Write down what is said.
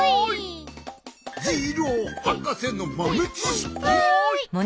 「ジローはかせのまめちしき」